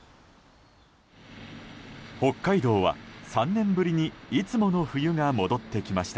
北海道は３年ぶりにいつもの冬が戻ってきました。